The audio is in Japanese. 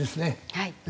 はい。